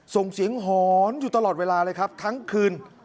ส่งเสียงหอนอยู่ตลอดเวลาเลยครับทั้งคืน